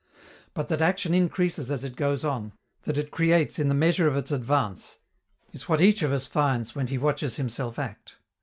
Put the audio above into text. But that action increases as it goes on, that it creates in the measure of its advance, is what each of us finds when he watches himself act.